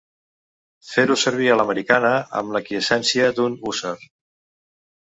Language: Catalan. Fer-ho servir a l'americana amb l'aquiescència d'un hússar.